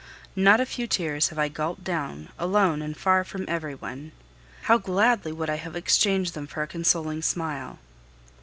Not a few tears have I gulped down, alone and far from every one. How gladly would I have exchanged them for a consoling smile!